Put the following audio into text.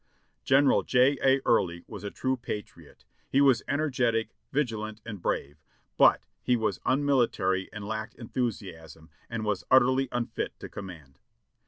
"General J. A. Early was a true patriot ; he was energetic, vigi lant and brave, but he was immilitary and lacked enthusiasm, and was utterly unfit to command.